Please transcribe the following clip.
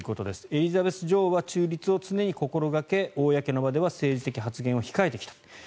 エリザベス女王は中立を常に心掛け公の場では政治的発言を控えてきた。